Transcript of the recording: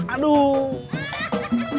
adik gimana kalau itu keluar